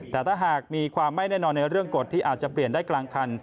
แต่ถ้าหากมีความไม่แน่นอนในเรื่องกฎที่อาจจะเปลี่ยนได้กลางคัน